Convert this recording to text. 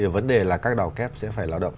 vấn đề là các đào kép sẽ phải lao động